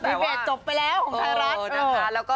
ดีเบสก็จบไปแล้วขวมค่ารัก